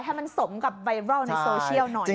ให้มันสมกับไวรัลในโซเชียลหน่อย